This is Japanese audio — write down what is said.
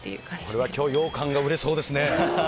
これはきょう、ようかんが売れそうですね。